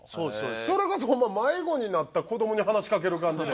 それこそホンマ迷子になった子どもに話し掛ける感じで。